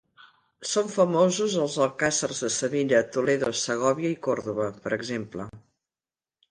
Són famosos els alcàssers de Sevilla, Toledo, Segòvia i Còrdova, per exemple.